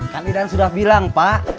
kan idan sudah bilang pak